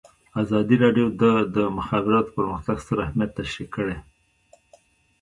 ازادي راډیو د د مخابراتو پرمختګ ستر اهميت تشریح کړی.